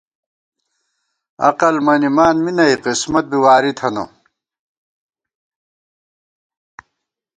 عقل مَنِمان می نئ قسمت بی واری تھنَہ